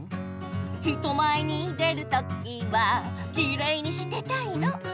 「人前に出るときはきれいにしてたいの！」